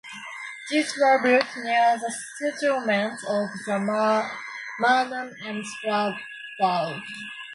These were built near the settlements of Madang and Rabaul.